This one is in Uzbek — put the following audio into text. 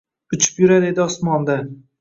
Uchib yurar edi osmonda